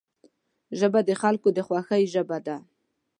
ژبه د خلکو د خوښۍ ژبه ده